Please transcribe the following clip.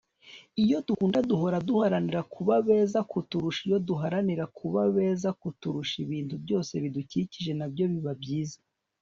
iyo dukunda, duhora duharanira kuba beza kuturusha iyo duharanira kuba beza kuturusha, ibintu byose bidukikije na byo biba byiza